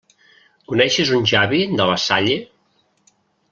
Coneixes un Xavi de La Salle?